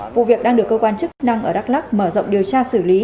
vụ việc đang được cơ quan chức năng ở đắk lắc mở rộng điều tra xử lý